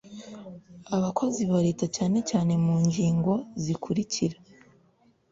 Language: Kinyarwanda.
abakozi ba leta cyane cyane mu ngingo zikurikira